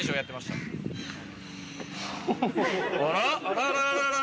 あらららら？